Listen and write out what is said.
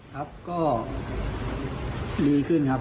ครับก็ดีขึ้นครับ